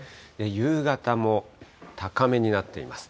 夕方も高めになっています。